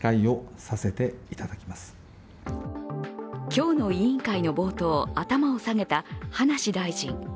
今日の委員会の冒頭、頭を下げた葉梨大臣。